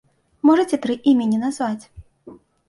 Можаце тры імені назваць?